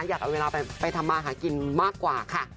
อยากเอาเวลาไปทำมาหากินมากกว่าค่ะ